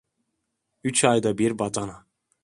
Üç ayda bir badana…